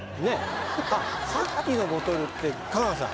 さっきのボトルって香川さん